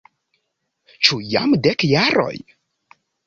Ĉu jam dek jaroj?